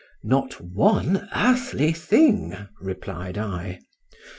—Not one earthly thing, replied I.